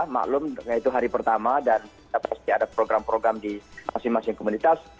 maklum itu hari pertama dan pasti ada program program di masing masing komunitas